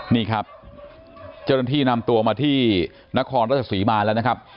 นี่ครับเจ้าหน้าที่นำตัวมาที่นครราชศรีมาแล้วนะครับ